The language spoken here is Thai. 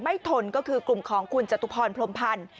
ไม่ทนก็คือกลุ่มของขุมจตุพรพหลมภัณฑ์